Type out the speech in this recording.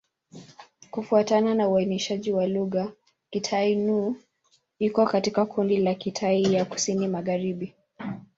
Kufuatana na uainishaji wa lugha, Kitai-Nüa iko katika kundi la Kitai ya Kusini-Magharibi.